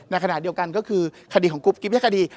ในขณะเดียวกันก็คือคดีของกรุ๊ปกิ๊บและคดี